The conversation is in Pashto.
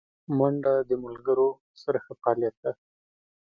منډه د ملګرو سره ښه فعالیت دی